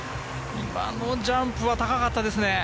今のジャンプは高かったですね。